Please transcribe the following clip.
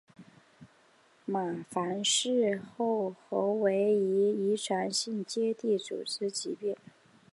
马凡氏症候群为一种遗传性结缔组织疾病。